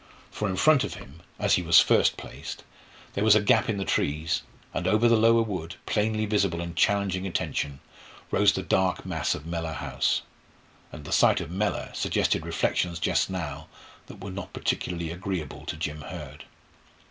For in front of him, as he was first placed, there was a gap in the trees, and over the lower wood, plainly visible and challenging attention, rose the dark mass of Mellor House. And the sight of Mellor suggested reflections just now that were not particularly agreeable to Jim Hurd.